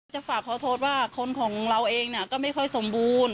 จะฝากขอโทษว่าคนของเราเองก็ไม่ค่อยสมบูรณ์